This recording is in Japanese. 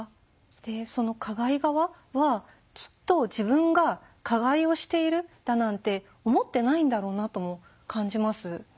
でその加害側はきっと自分が加害をしているだなんて思ってないんだろうなとも感じます。